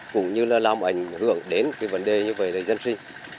cũng như là làm ảnh hưởng đến vấn đề như vầy là dân sinh